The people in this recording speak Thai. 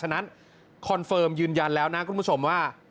ฉะนั้นคอนเฟิร์มยืนยันแล้วนะคุณผู้ชมว่า